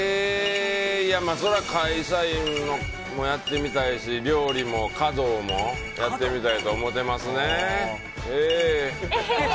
そりゃ会社員もやってみたいし料理も華道もやってみたいと思ってますね。